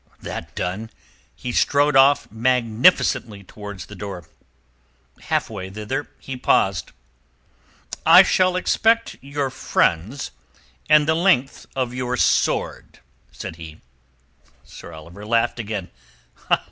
That done, he strode off magnificently towards the door. Half way thither he paused. "I shall expect your friends and the length of your sword," said he. Sir Oliver laughed again.